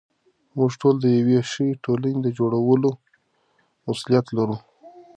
موږ ټول د یوې ښې ټولنې د جوړولو مسوولیت لرو.